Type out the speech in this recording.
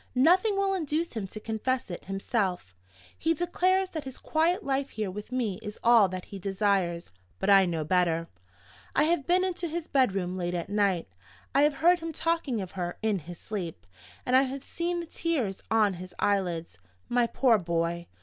Nothing will induce him to confess it himself. He declares that his quiet life here with me is all that he desires. But I know better! I have been into his bedroom late at night. I have heard him talking of her in his sleep, and I have seen the tears on his eyelids. My poor boy!